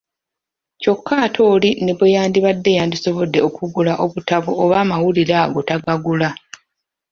Kyokka ate oli ne bwe yandibadde yandisobodde okugula obutabo oba amawulire ago tagagula.